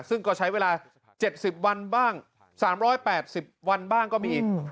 ซึ่งก็ใช้เวลา๗๐วันบ้าง๓๘๐วันบ้างก็มี